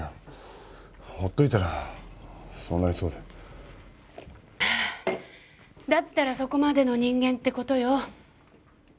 放っておいたらそうなりそうでだったらそこまでの人間ってことよ